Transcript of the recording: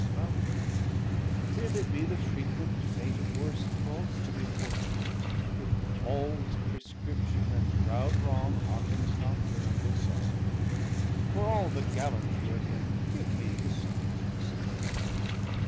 But if it be the frequent fateOf worst faults to be fortunate; If all's præscription; and proud wrongHearkens not to an humble song; For all the gallantry of him, Give me the suffring Seraphim.